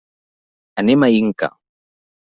Anem a Inca.